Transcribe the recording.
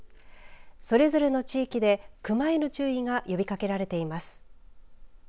それぞれの地域で熊への注意が呼びかけられています。